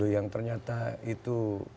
yang ternyata itu